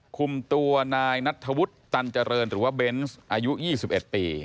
คุมตัวนายนัทธวุฒิตันเจริญหรือว่าเบนส์อายุ๒๑ปี